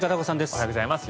おはようございます。